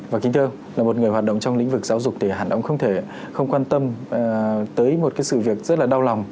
và kính thưa là một người hoạt động trong lĩnh vực giáo dục thì hẳn ông không thể không quan tâm tới một cái sự việc rất là đau lòng